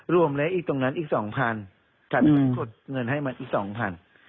รวมแล้วอีกตรงนั้นอีกสองพันทำให้กดเงินให้มันอีกสองพัน